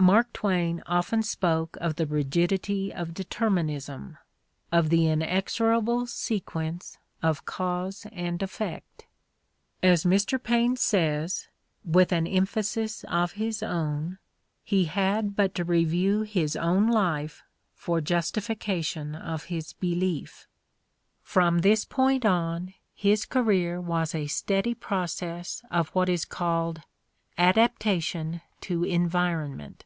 Mark Twain often spoke of the rigidity of determin ism, of the inexorable sequence of cause and effect. As Mr. Paine says — with an emphasis of his own — ^he had In the Crucible 99 but to review his own life for justification of his belief. From this point on, his career was a steady process of what is called adaptation to environment.